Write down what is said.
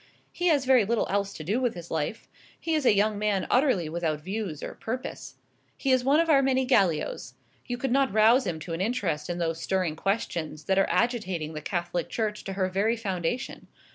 "He has very little else to do with his life. He is a young man utterly without views or purpose. He is one of our many Gallios. You could not rouse him to an interest in those stirring questions that are agitating the Catholic Church to her very foundation.